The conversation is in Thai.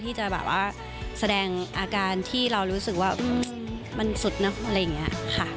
ที่จะแบบว่าแสดงอาการที่เรารู้สึกว่ามันสุดนะอะไรอย่างนี้ค่ะ